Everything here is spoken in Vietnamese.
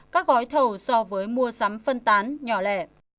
các gói thầu so với mua sắm phân tán nhỏ lẻ